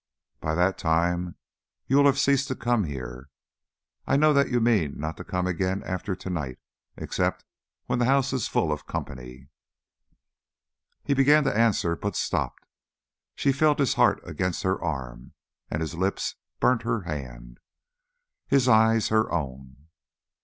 By that time you will have ceased to come here. I know that you mean not to come again after to night, except when the house is full of company." He began to answer, but stopped. She felt his heart against her arm, and his lips burnt her hand, his eyes her own.